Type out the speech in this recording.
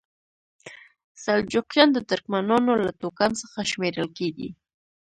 سلجوقیان د ترکمنانو له توکم څخه شمیرل کیږي.